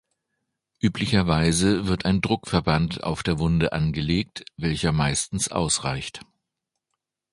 Üblicherweise wird ein Druckverband auf der Wunde angelegt, welcher meistens ausreicht.